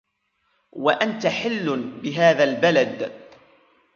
وَأَنْتَ حِلٌّ بِهَذَا الْبَلَدِ